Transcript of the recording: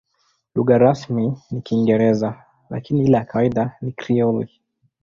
Lugha rasmi ni Kiingereza, lakini ile ya kawaida ni Krioli.